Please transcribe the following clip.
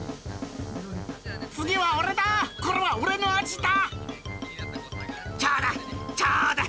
次は俺だ、これは俺のアジだ。